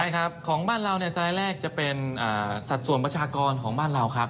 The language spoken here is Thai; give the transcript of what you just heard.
ใช่ครับของบ้านเราเนี่ยสไลด์แรกจะเป็นสัดส่วนประชากรของบ้านเราครับ